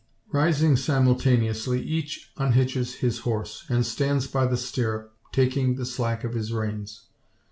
Rising simultaneously, each unhitches his horse, and stands by the stirrup, taking in the slack of his reins.